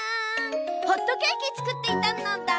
ホットケーキつくっていたのだ。